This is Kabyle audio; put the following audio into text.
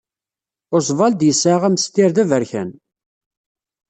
Oswald yesɛa amestir d aberkan.